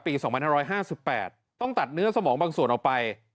ปี๒๕๕๘ต้องตัดเนื้อสมองบางส่วนออกไป